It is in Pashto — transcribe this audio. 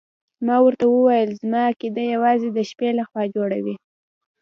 ما ورته وویل زما عقیده یوازې د شپې لخوا جوړه وي.